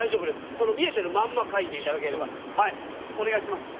その見えてるまんま描いていただければうんはいお願いします